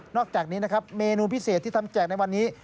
อกจากนี้นะครับเมนูพิเศษที่ทำแจกในวันนี้